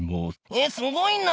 「えすごいな！」